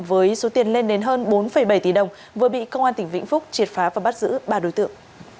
với số tiền lên đến hơn bốn bảy tỷ đồng vừa bị công an tp hcm triệt phá và bắt giữ ba đối tượng